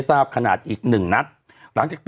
เราก็มีความหวังอะ